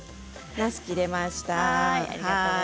なすを切りました。